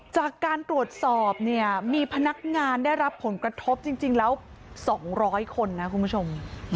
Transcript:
จากการตรวจสอบเนี่ยมีพนักงานได้รับผลกระทบจริงแล้ว๒๐๐คนนะคุณผู้ชม